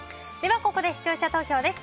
ここで視聴者投票です。